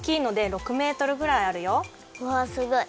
うわすごい。